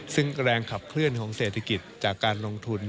ซึ่งแรงขับเคลื่อนของเศรษฐกิจจากการลงทุน